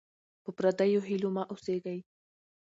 په پردیو هیلو مه اوسېږئ.